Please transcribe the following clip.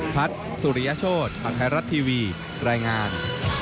พัฒน์สุริยโชธข่าวไทยรัฐทีวีรายงาน